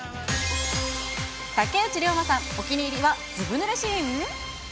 竹内涼真さん、お気に入りはずぶぬれシーン？